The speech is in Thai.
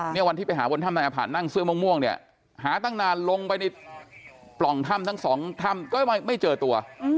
เนี่ยวันที่ไปหาบนถ้ำนายอภะนั่งเสื้อม่วงเนี่ยหาตั้งนานลงไปในปล่องถ้ำทั้งสองถ้ำก็ไม่เจอตัว